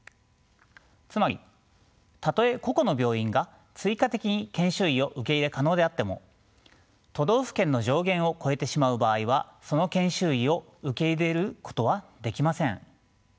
つまりたとえ個々の病院が追加的に研修医を受け入れ可能であっても都道府県の上限を超えてしまう場合はその研修医を受け入れることはできません。